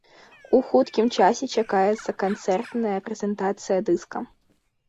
У хуткім часе чакаецца канцэртная прэзентацыя дыска.